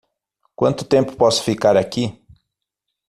Quanto tempo posso ficar aqui?